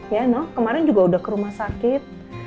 ya nok kemarin juga udah ke rumah sakit